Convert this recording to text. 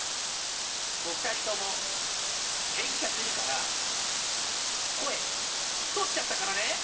もう２人ともけんかするから声取っちゃったからね。